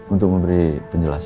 untuk memberi penjelasan